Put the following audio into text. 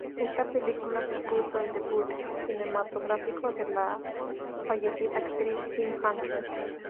Ésta película supuso el debut cinematográfico de la ya fallecida actriz Kim Hunter.